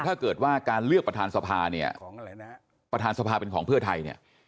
ถ้าเกิดว่าการเลือกประธานสภาเนี่ยประธานสภาเป็นของเพื่อไทยเนี่ย